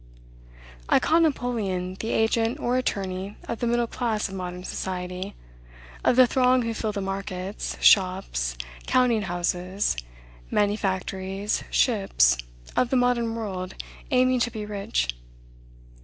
I call Napoleon the agent or attorney of the middle class of modern society; of the throng who fill the markets, shops, counting houses, manufactories, ships, of the modern world, aiming to be rich.